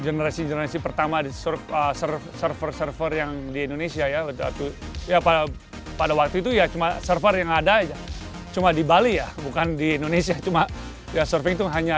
gue sudah bersama famous famous orang indonesia yang menang